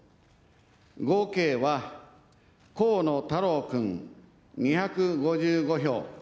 合計は河野太郎君２５５票。